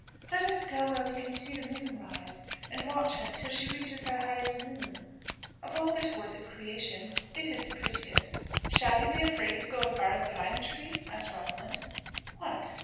Let us go where we can see the moon rise, and watch her till she reaches her highest noon; of all the toys of creation it is the prettiest." "Shall you be afraid to go as far as the lime tree?" asked Rosalind. "What!